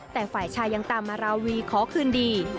แต่ฝ่ายชายยังตามมาราวีขอคืนดี